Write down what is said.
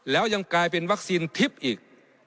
แล้วยังกลายเป็นวัคซีนทิพย์อีก